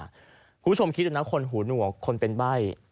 คุณผู้ชมคิดดูนะคนหูหนวกคนเป็นใบ้